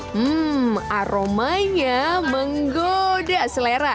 hmm aromanya menggoda selera